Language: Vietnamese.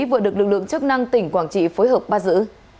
vừa được lực lượng chức năng tỉnh quảng trị phối hợp bắt giữ